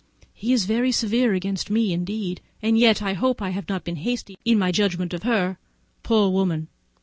He is very severe against me indeed, and yet I hope I have not been hasty in my judgment of her. Poor woman!